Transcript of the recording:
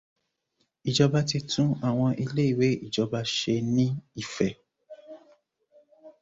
Ìjọba ti tún àwọn ilé-ìwé ìjọba ṣe ni Ifẹ̀.